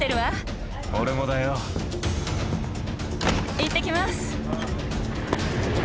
いってきます。